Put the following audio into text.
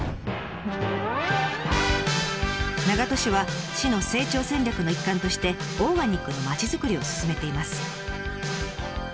長門市は市の成長戦略の一環としてオーガニックのまちづくりを進めています。